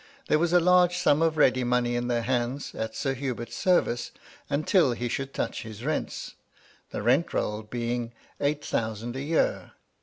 There was a large sum of ready money in their hands, at Sir Hubert's service, until he should touch his rents, the rent roll being eight thousand a year.